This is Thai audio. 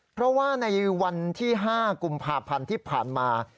เพราะว่าในวันที่๕กุมภาพันธ์ที่ผ่านมา